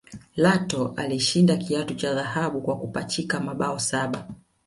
Lato alishinda kiatu cha dhahabu kwa kupachika mabao saba